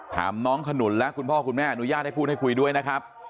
ถามน้องขนุนและคุณพ่อคุณแม่อนุญาตให้พูดให้คุยด้วยนะครับ